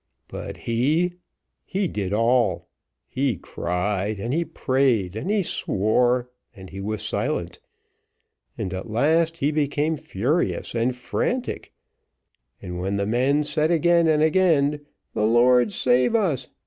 But he, he did all; he cried, and he prayed, and he swore, and he was silent, and at last he became furious and frantic; and when the men said again and again, 'The Lord save us!'